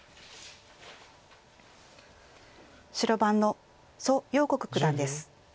白番の蘇耀国九段です。